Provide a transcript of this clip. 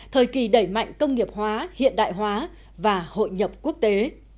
thời kỳ đẩy mạnh công nghiệp hóa hiện đại hóa và hội nhập quốc tế